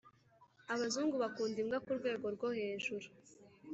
Abazungu bakunda imbwa kurwego rwohejuru